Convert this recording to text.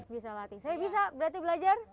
bisa latih saya bisa berarti belajar